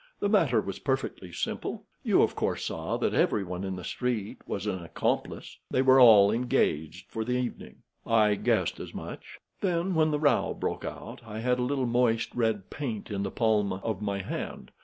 "The matter was perfectly simple. You, of course, saw that everyone in the street was an accomplice. They were all engaged for the evening." "I guessed as much." "Then, when the row broke out, I had a little moist red paint in the palm of my hand.